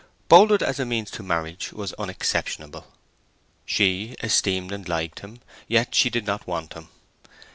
Boldwood as a means to marriage was unexceptionable: she esteemed and liked him, yet she did not want him.